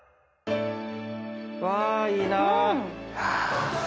うわいいな。